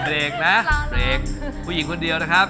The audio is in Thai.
เบรกนะเบรกผู้หญิงคนเดียวนะครับ